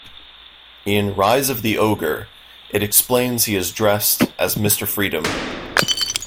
In "Rise of the Ogre" it explains he is dressed as Mr. Freedom.